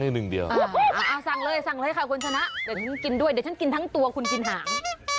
สั่งเลยคุณชนะเองกินด้วยเนี่ยเดี๋ยวฉันกินทั้งตัวคุณกินหาง